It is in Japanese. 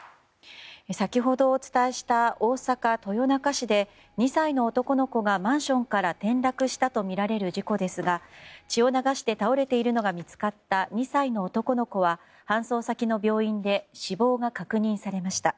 先ほど、お伝えした大阪府豊中市で２歳の男の子がマンションから転落したとみられる事故ですが血を流して倒れているのが見つかった２歳の男の子は搬送先の病院で死亡が確認されました。